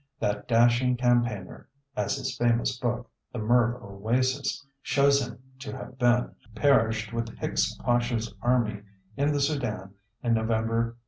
That dashing campaigner as his famous book, The Merv Oasis, shows him to have been perished with Hicks Pasha's Army in the Sudan in November, 1883.